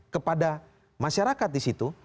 kepada masyarakat di situ